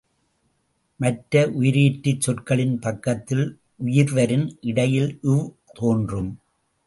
மற்ற உயிரீற்றுச் சொற்களின் பக்கத்தில் உயிர்வரின் இடையில் வ் தோன்றும்.